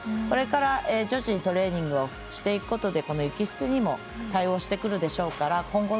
これから徐々にトレーニングをしていくことでこの雪質にも対応してくるでしょうから。